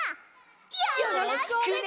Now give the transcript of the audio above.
よろしくね。